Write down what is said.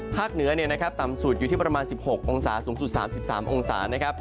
เหนือต่ำสุดอยู่ที่ประมาณ๑๖องศาสูงสุด๓๓องศานะครับ